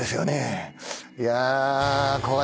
いや。